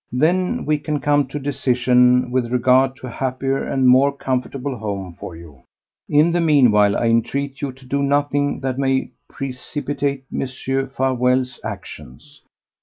Then we can come to a decision with regard to a happier and more comfortable home for you. In the meanwhile I entreat you to do nothing that may precipitate Mr. Farewell's actions.